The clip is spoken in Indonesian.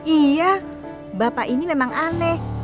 iya bapak ini memang aneh